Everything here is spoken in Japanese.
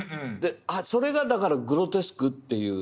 それがだからグロテスクっていう。